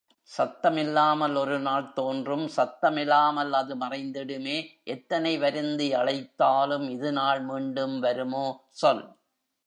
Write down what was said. சத்தமில்லாமல் ஒருநாள் தோன்றும் சத்தமிலாமல் அது மறைந்திடுமே எத்தனை வருந்தி அழைத்தாலும் இதுநாள் மீண்டும் வருமோ சொல்?